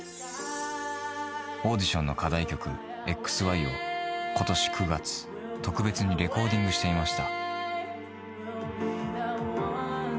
オーディションの課題曲、ＸＹを、ことし９月、特別にレコーディングしていました。